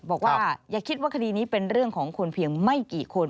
บอกว่าอย่าคิดว่าคดีนี้เป็นเรื่องของคนเพียงไม่กี่คน